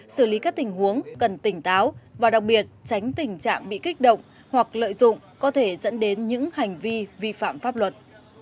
xử lý các tình huống cần tỉnh táo và đặc biệt tránh tình trạng bị kích động hoặc lợi dụng có thể dẫn đến những hành vi vi phạm pháp luật